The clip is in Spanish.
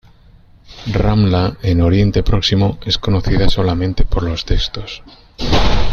Ramla, en Oriente Próximo, es conocida solamente por los textos.